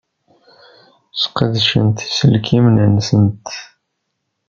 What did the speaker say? Sqedcent iselkimen-nsent.